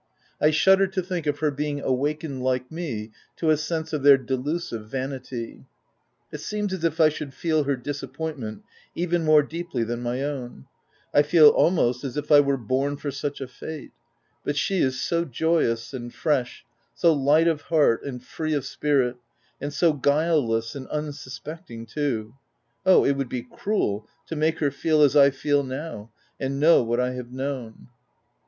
I shudder to think of her being awakened like me to a sense of their delusive vanity. It seems as if I should feel her disappointment even more deeply than my own : I feel, almost, as if I were born for such a fate, but she is so joyous and fresh, so light of heart and free of spirit, and so guileless and unsuspecting too — Oh, it would be cruel to make her feel as I feel now, and know what I have known